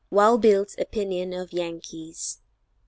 WILD BILL'S OPINION OF YANKEES.